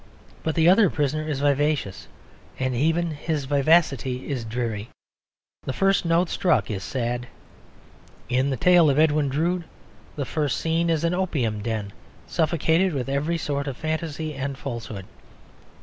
But the other prisoner is vivacious, and even his vivacity is dreary. The first note struck is sad. In the tale of Edwin Drood the first scene is in an opium den, suffocated with every sort of phantasy and falsehood.